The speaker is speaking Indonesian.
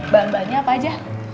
bahan bahannya apa aja